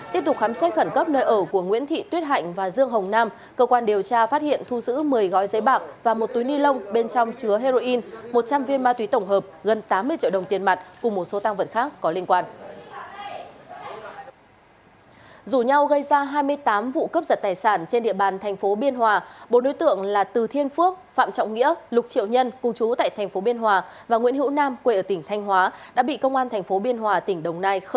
tại khu vực đường nguyễn thị tuyết hạnh và dương hồng nam cùng chú tại phường lê lợi thành phố bắc giang cũng bị khám xét khẩn cấp nơi ở